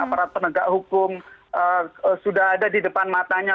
aparat penegak hukum sudah ada di depan matanya